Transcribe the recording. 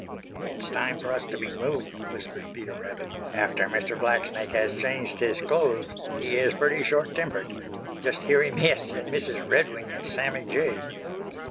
"It's time for us to be moving," whispered Peter Rabbit. "After Mr. Blacksnake has changed his clothes he is pretty short tempered. Just hear him hiss at Mrs. Redwing and Sammy Jay!"